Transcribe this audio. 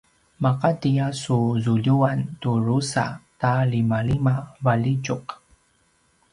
maqati a su zuljuan tu drusa ta limalima valjitjuq